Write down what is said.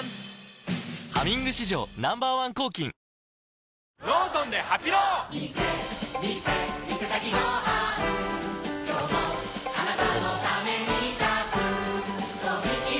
「ハミング」史上Ｎｏ．１抗菌きたきた！